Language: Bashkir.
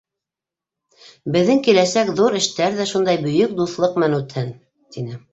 Беҙҙең киләсәк ҙур эштәр ҙә шундай бөйөк дуҫлыҡ менән үтһен, — тине.